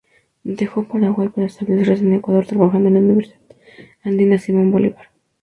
Dejó Paraguay para establecerse en Ecuador, trabajando en la Universidad Andina Simón Bolívar.